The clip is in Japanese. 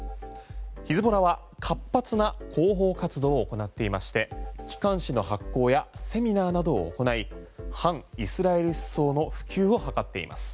ヒズボラは活発な広報活動を行っていまして機関紙の発行やセミナーなどを行い反イスラエル思想の普及を図っています。